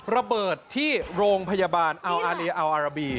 ระเบิดที่โรงพยาบาลอาวอาราบี